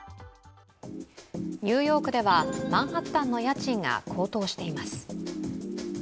ニューヨークでは、マンハッタンの家賃が高騰しています。